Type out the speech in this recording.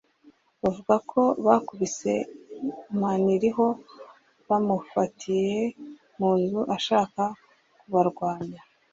bavuga ko bakubise Maniriho bamufatiye mu nzu ashaka kubarwanya